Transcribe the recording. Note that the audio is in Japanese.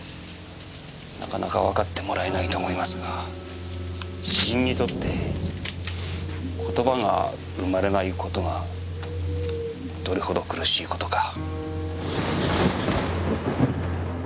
なかなかわかってもらえないと思いますが詩人にとって言葉が生まれないことがどれほど苦しいことか。